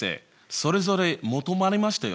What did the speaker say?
それぞれ求まりましたよ。